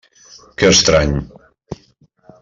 Que estrany.